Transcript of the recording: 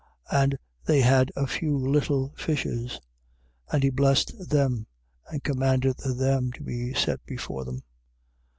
8:7. And they had a few little fishes: and he blessed them and commanded them to be set before them.